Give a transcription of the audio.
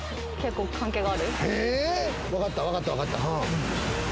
分かった分かった分かった。